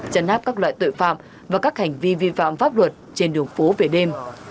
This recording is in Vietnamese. chấn áp các loại tội phạm và các hành vi vi phạm pháp luật trên đường phố về đêm